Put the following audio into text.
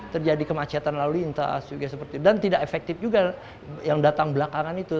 terjadi kemacetan lalu lintas dan tidak efektif juga yang datang belakangnya